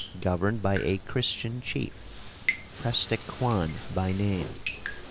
governed by a Christian chief, Preste Cuan by name.